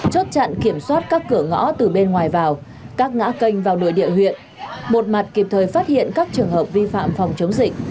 chốt chặn kiểm soát các cửa ngõ từ bên ngoài vào các ngã kênh vào nội địa huyện một mặt kịp thời phát hiện các trường hợp vi phạm phòng chống dịch